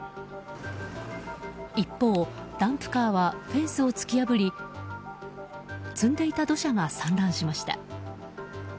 一方、ダンプカーはフェンスを突き破り積んでいた土砂が散乱しました。